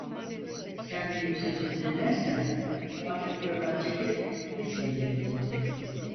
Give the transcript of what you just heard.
Sen benim sözümü dinlersen artık buradan çekilip İzmir'de git otur.